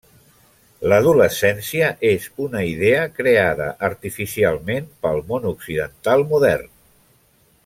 L'adolescència és una idea creada artificialment pel món occidental modern.